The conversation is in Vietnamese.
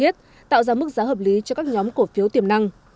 tạo ra mức giá hợp lý cho các nhóm cổ phiếu tiềm năng